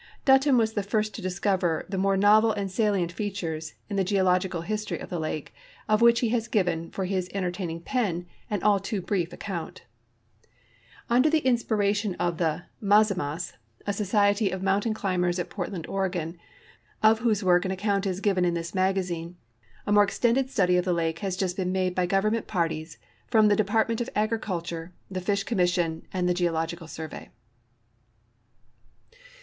Dut ton was the first to discover the more novel and salient features in the geological history of the lake, of which he has given, for his entertaining pen, an all too brief account.t Under the inspiration of the " Mazamas," a society of moun tain climbers at Portland, Oregon, of whose work an account is given in this magazine (page 58), a more extended study of the lake has just been made by government parties from the Depart ment of Agriculture, the Fish Commission, and the Geological Survey.